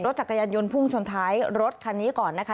จักรยานยนต์พุ่งชนท้ายรถคันนี้ก่อนนะคะ